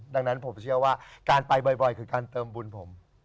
ดังนั้นผมเชื่อว่าการไปบ่อยคือการเติมบุญผม